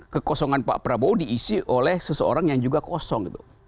kekosongan pak prabowo diisi oleh seseorang yang juga kosong gitu